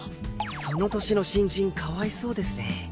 その年の新人かわいそうですね。